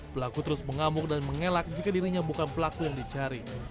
pelaku terus mengamuk dan mengelak jika dirinya bukan pelaku yang dicari